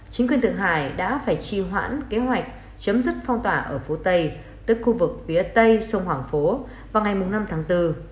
chính quyền thượng hải đã phải trì hoãn kế hoạch chấm dứt phong tỏa ở phố tây tức khu vực phía tây sông hoàng phố vào ngày năm tháng bốn